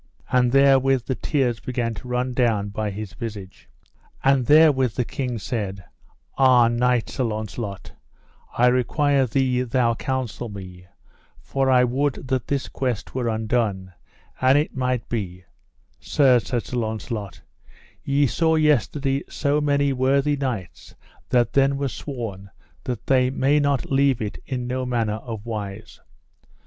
And therewith the tears began to run down by his visage. And therewith the king said: Ah, knight Sir Launcelot, I require thee thou counsel me, for I would that this quest were undone, an it might be Sir, said Sir Launcelot, ye saw yesterday so many worthy knights that then were sworn that they may not leave it in no manner of wise.